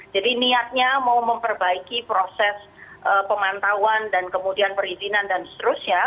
jadi niatnya mau memperbaiki proses pemantauan dan kemudian perizinan dan seterusnya